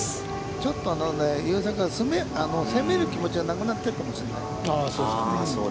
ちょっと優作は攻める気持ちはなくなってるかもしれない。